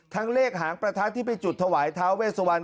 ทั้งเลขหางประทัดที่ไปจุดถวายท้าเวสวรรค์